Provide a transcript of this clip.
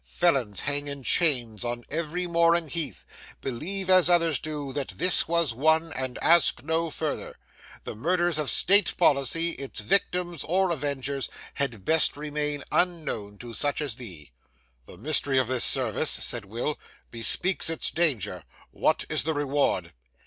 Felons hang in chains on every moor and heath. Believe, as others do, that this was one, and ask no further. The murders of state policy, its victims or avengers, had best remain unknown to such as thee.' 'The mystery of this service,' said Will, 'bespeaks its danger. What is the reward?